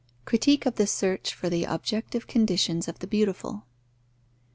_Critique of the search for the objective conditions of the beautiful.